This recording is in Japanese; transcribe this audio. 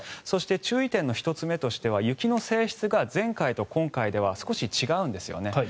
そして、注意点の１つ目としては雪の性質が前回と今回では少し違うんですよね。